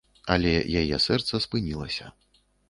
Але яе сэрца спынілася.